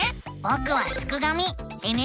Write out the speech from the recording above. ぼくはすくがミ。